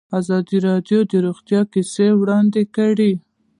ازادي راډیو د روغتیا کیسې وړاندې کړي.